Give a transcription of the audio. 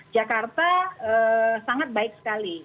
jakarta sangat baik sekali